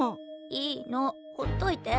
いいのほっといて。